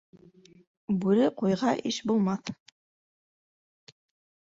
Бүре ҡуйға иш булмаҫ